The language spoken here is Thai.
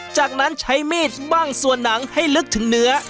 จากนั้นใช้มีดบ้างส่วนหนังให้ลึกถึงเนื้อ